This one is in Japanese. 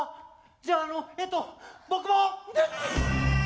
じゃああのえっと僕も！